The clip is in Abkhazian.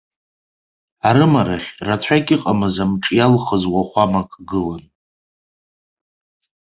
Арымарахь рацәак иҟамыз амҿы иалхыз уахәамак гылан.